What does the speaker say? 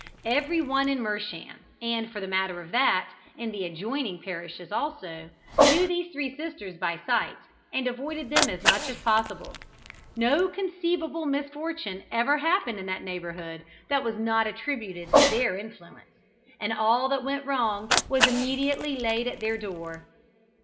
Every one in Mersham, and, for the matter of that, in the adjoining parishes also, knew these three sisters by sight, and avoided them as much as possible. No conceivable misfortune ever happened in that neighbourhood that was not attributed to their influence, and all that went wrong was immediately laid at their door.